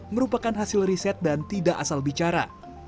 merupakan hasil riset dan tidak asal bicara